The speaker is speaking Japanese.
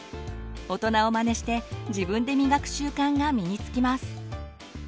大人をまねして自分でみがく習慣が身に付きます。